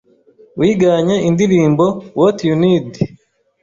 wiganye indirimbo What You Need